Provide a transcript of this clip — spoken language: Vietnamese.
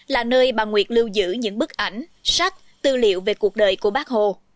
là nơi bà nguyệt lưu giữ những bức ảnh sách tư liệu về cuộc đời của bác hồ